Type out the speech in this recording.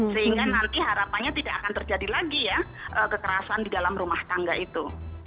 sehingga nanti harapannya tidak akan terjadi lagi ya kekerasan di dalam rumah tangga itu